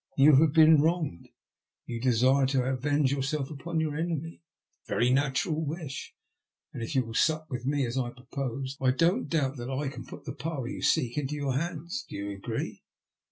Tou have been wronged ; you desire to avenge yourself upon your enemy. It is a very natural wish, and if you will sup with me as I propose, I don't doubt but that I can put the power you seek into your hands. Do you agree